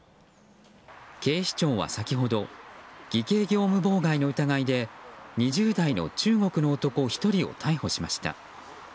警視庁は先ほど偽計業務妨害の疑いで２０代の中国の男１人を逮捕しました。